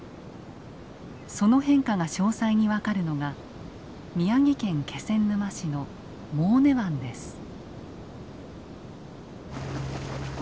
その変化が詳細に分かるのが宮城県気仙沼市の舞根湾です。